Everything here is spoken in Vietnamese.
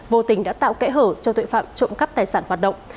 vô tình đã tạo kẽ hở cho tội phạm trộm cắp tài sản hoạt động